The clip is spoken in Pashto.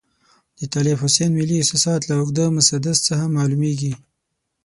د طالب حسین ملي احساسات له اوږده مسدس څخه معلوميږي.